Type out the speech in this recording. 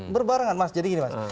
berbarengan mas jadi gini mas